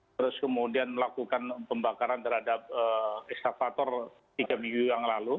terus kemudian melakukan pembakaran terhadap eskavator tiga minggu yang lalu